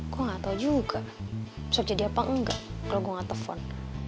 gua nggak tau juga besok jadi apa enggak kalau gua nggak telepon